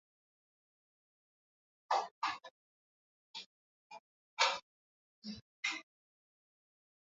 Ambapo wamehamia huko kwa ajili ya kufata kilimo na malisho ya mifugoWasukuma ndio